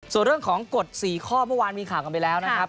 ส่วนเรื่องของกฎ๔ข้อเมื่อวานมีข่าวกันไปแล้วนะครับ